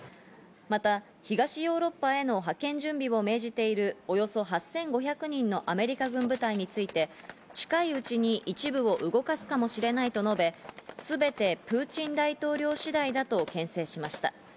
また東ヨーロッパへの派遣準備を命じている、およそ８５００人のアメリカ軍部隊について近いうちに一部を動かすかもしれないと述べ、すべてプーチン大統領次第だと、けん制しました。